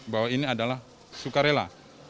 bahwa ini adalah sukarela